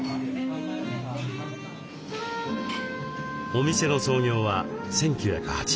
お店の創業は１９８４年。